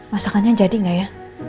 masakannya jadi gak ya